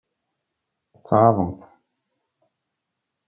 Tettɣaḍemt.